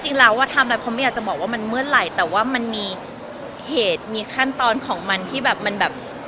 จริงแล้วว่าทำอะไรเพราะไม่อยากจะบอกว่ามันเมื่อไหร่แต่ว่ามันมีเหตุมีขั้นตอนของมันที่แบบมันแบบ